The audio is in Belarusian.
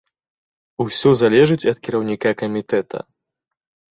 Усё залежыць ад кіраўніка камітэта.